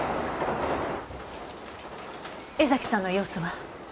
江崎さんの様子は？